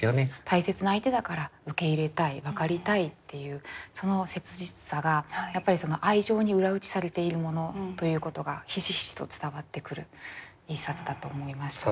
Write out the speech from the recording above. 大切な相手だから受け入れたい分かりたいっていうその切実さが愛情に裏打ちされているものということがひしひしと伝わってくる一冊だと思いました。